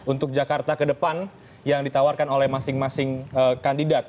untuk jakarta kedepan yang ditawarkan oleh masing masing kandidat